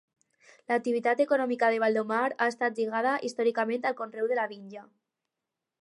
L'activitat econòmica de Baldomar ha estat lligada històricament al conreu de la vinya.